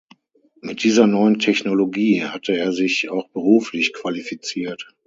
Mit dieser neuen Technologie hatte er sich auch beruflich qualifiziert.